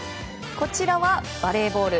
こちらはバレーボール。